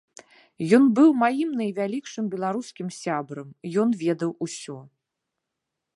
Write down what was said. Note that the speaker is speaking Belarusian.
Ён быў маім найвялікшым беларускім сябрам, ён ведаў усё.